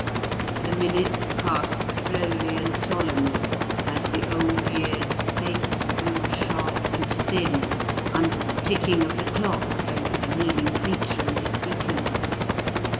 The minutes passed slowly and solemnly as the Old Year's "face grew sharp and thin" under the ticking of the clock over the kneeling preacher and his deacons.